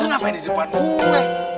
ngapain di depan gue